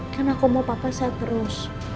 karena aku mau papa saya terus